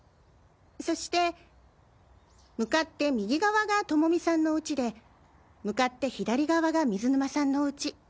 そして向かって右側がトモミさんのおうちで向かって左側が水沼さんのおうち。